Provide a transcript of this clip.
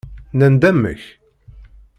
Nnan-d amek?